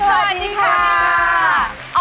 สวัสดีค่ะ